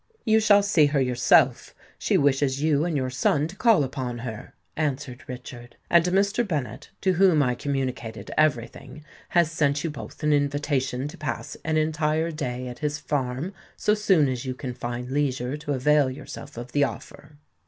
"You shall see her yourself—she wishes you and your son to call upon her," answered Richard; "and Mr. Bennet, to whom I communicated every thing, has sent you both an invitation to pass an entire day at his farm so soon as you can find leisure to avail yourself of the offer."